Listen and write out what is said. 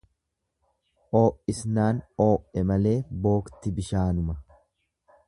Oo'isnaan oo'e malee bookti bishaanuma.